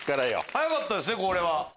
早かったですねこれは。